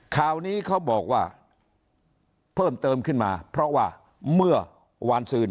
ข่าวนี้เขาบอกว่าเพิ่มเติมขึ้นมาเพราะว่าเมื่อวานซืน